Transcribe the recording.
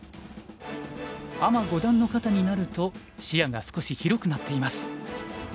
アマ５段の方になると視野が少し広くなっています。